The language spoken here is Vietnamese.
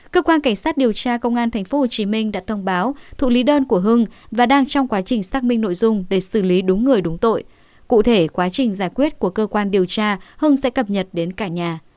cơ quan cảnh sát điều tra công an tp hcm đã thông báo thụ lý đơn của hưng và đang trong quá trình xác minh nội dung để xử lý đúng người đúng tội cụ thể quá trình giải quyết của cơ quan điều tra hưng sẽ cập nhật đến cả nhà